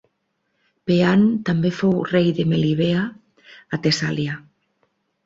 Peant també fou rei de Melibea, a Tessàlia.